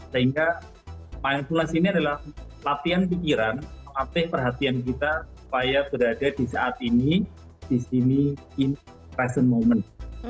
sehingga mindfulles ini adalah latihan pikiran melatih perhatian kita supaya berada di saat ini di sini in present moment